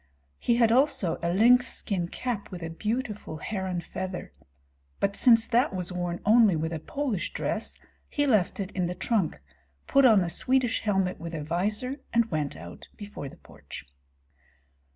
He had also a lynxskin cap with a beautiful heron feather; but since that was worn only with a Polish dress, he left it in the trunk, put on a Swedish helmet with a vizor, and went out before the porch.